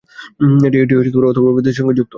এটি অথর্ববেদের সঙ্গে যুক্ত।